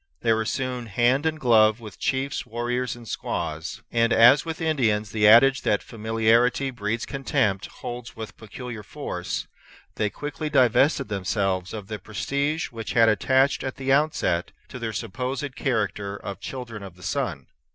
They were soon hand and glove with chiefs, warriors, and squaws; and as with Indians the adage that familiarity breeds contempt holds with peculiar force, they quickly divested themselves of the prestige which had attached at the outset to their supposed character of children of the Sun.